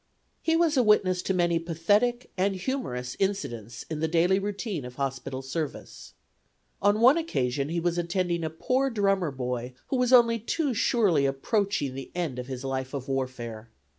He was a witness to many pathetic and humorous incidents in the daily routine of hospital service. On one occasion he was attending a poor drummer boy who was only too surely approaching the end of his life of warfare.